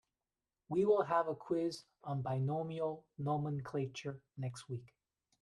We will have a quiz on binomial nomenclature next week.